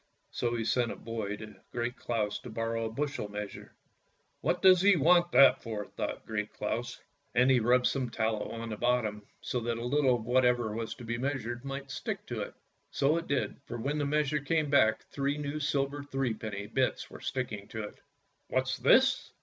So he sent a boy to Great Claus to borrow a bushel measure. " What does he want that for! " thought Great Claus, and he rubbed some tallow on the bottom, so that a little of whatever was to be measured might stick to it. So it did, for when the measure came back three new silver threepenny bits were stick ing to it. " What's this?